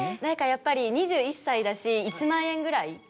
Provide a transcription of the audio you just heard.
やっぱり２１歳だし１万円ぐらい。